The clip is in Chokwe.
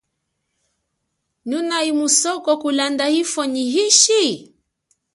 Nunayi musoko kulanda ifwo nyi ishi ?